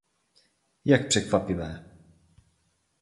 Jak překvapivé!